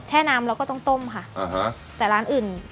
น้ำเราก็ต้องต้มค่ะอ่าฮะแต่ร้านอื่น